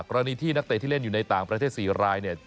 กรณีที่นักเตะที่เล่นอยู่ในต่างประเทศ๔รายเนี่ย